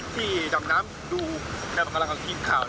ที่ดอกน้ำดูแนวปากการังของทีมข่าว